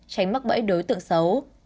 tránh mắc bẫy đối tượng xấu